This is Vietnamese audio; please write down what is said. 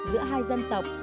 giữa hai dân tộc